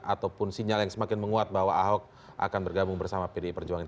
ataupun sinyal yang semakin menguat bahwa ahok akan bergabung bersama pdi perjuangan